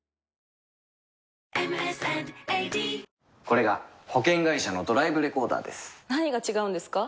これが保険会社のドライブレコーダーです何が違うんですか？